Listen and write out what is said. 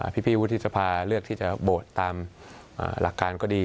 พี่วุฒิสภาเลือกที่จะโหวตตามหลักการก็ดี